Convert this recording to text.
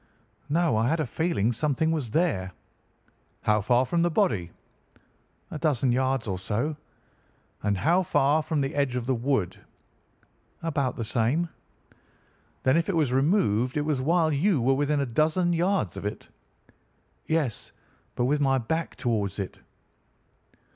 "'No, I had a feeling something was there.' "'How far from the body?' "'A dozen yards or so.' "'And how far from the edge of the wood?' "'About the same.' "'Then if it was removed it was while you were within a dozen yards of it?' "'Yes, but with my back towards it.